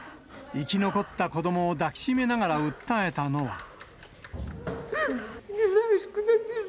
生き残った子どもを抱き締めながら訴えたのは。